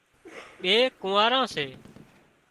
ٻي ڪونئاران سي